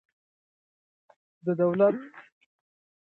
د دولت نیمګړتیاوې باید په ګوته شي.